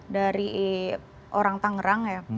dari orang tangerang ya